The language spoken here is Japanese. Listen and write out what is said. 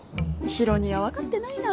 ヒロ兄は分かってないな。